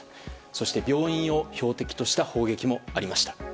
そして病院を標的とした砲撃もありました。